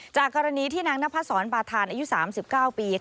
จากกรณีที่นางนพศรบาธานอายุ๓๙ปี